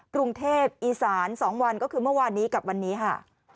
กรุงเทพอีสาน๒วันก็คือเมื่อวานนี้กับวันนี้ค่ะ